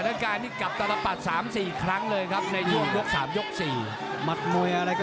สถานการณ์นี้กลับตรปด๓๔ครั้งเลยในวันที่๓ปุ่มยก๔